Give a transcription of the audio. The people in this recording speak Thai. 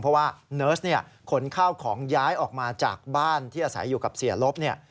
เพราะว่าเนิร์สขนเข้าของย้ายออกมาจากบ้านที่อาศัยอยู่กับเสียรบ